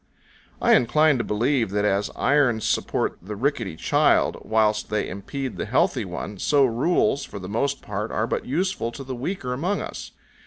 I incline to believe that as irons support the rickety child, whilst they impede the healthy one, so rules, for the most part, are but useful to the weaker among us.